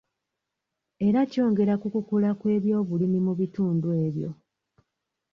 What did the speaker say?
Era kyongera ku kukula kw'ebyobulimi mu bitundu ebyo.